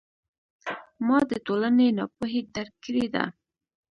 ما د ټولنې ناپوهي درک کړې ده.